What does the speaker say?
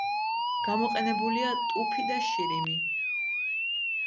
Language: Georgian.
გამოყენებულია ტუფი და შირიმი.